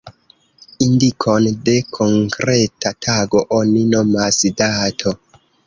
Indikon de konkreta tago oni nomas dato.